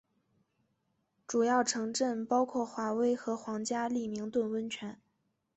主要城镇包括华威和皇家利明顿温泉。